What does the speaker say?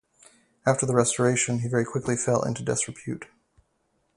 After the Restoration he very quickly fell into disrepute.